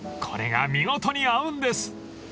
［これが見事に合うんです］